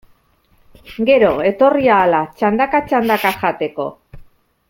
Gero, etorri ahala, txandaka-txandaka jateko.